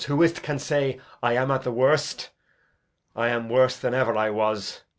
Who is't can say 'I am at the worst'? I am worse than e'er I was. Old Man.